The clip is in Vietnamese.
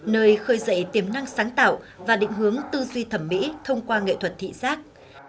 nơi khơi dậy tiềm năng sáng tạo và định hướng tư duy thẩm mỹ thông qua nghệ thuật thị giác